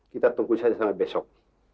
kita tunggu saja sampai besok